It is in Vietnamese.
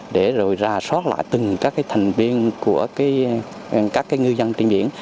để rồi ra soát lại từng các thành viên của các ngư dân trên biển